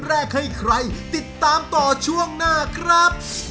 แรกให้ใครติดตามต่อช่วงหน้าครับ